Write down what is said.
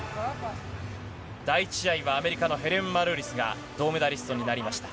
第１試合は、アメリカのヘレン・マルーリスが銅メダリストになりました。